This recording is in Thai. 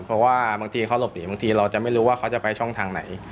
เพราะว่าบางทีเขาหลบหนีบางทีเราจะไม่รู้ว่าเขาจะไปช่องทางไหน